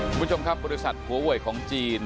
คุณผู้ชมครับบริษัทหัวหวยของจีน